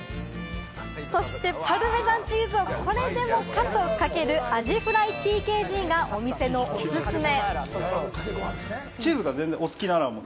そしてパルメザンチーズをこれでもかとかける、アジフライＴＫＧがお店のオススメ。